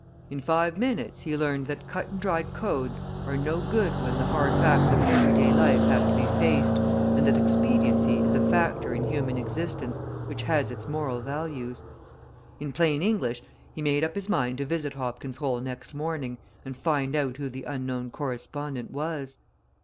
In five minutes he learnt that cut and dried codes are no good when the hard facts of every day life have to be faced and that expediency is a factor in human existence which has its moral values. In plain English, he made up his mind to visit Hobkin's Hole next morning and find out who the unknown correspondent was.